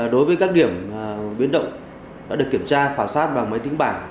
đối với các điểm biến động đã được kiểm tra khảo sát bằng máy tính bảng